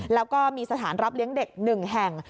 แล้วก็มีสถานรับเลี้ยงเด็ก๑แห่ง